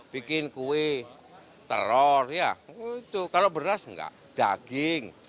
bikin kue teror ya itu kalau beras enggak daging